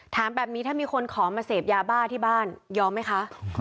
ถามแบบนี้ถ้ามีคนขอมาเสพยาบ้าที่บ้านยอมไหมคะ